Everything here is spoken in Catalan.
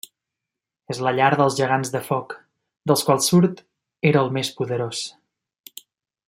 És la llar dels Gegants de Foc, dels quals Surt era el més poderós.